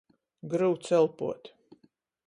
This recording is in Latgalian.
Gryuts elpuot.